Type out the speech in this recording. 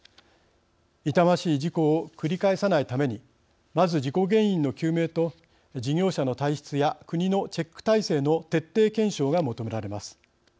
痛ましい事故を繰り返さないためにまず事故原因の究明と事業者の体質や国のチェック体制の徹底検証が求められます。